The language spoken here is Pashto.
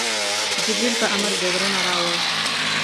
جبریل په امر د غره نه راوړ.